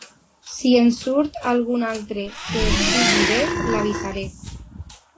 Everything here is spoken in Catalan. Si en surt algun altre que estigui bé, l'avisaré.